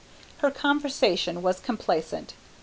Her conversation was complacent.